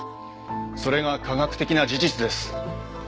それが科学的な事実です。